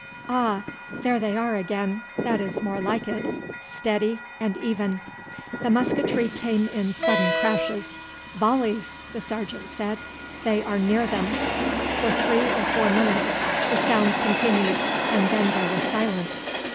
Ah! there they are again. That is more like it steady and even." The musketry came in sudden crashes. "Volleys!" the sergeant said. "They are near them." For three or four minutes the sounds continued, and then there was silence.